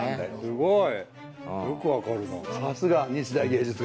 すごい。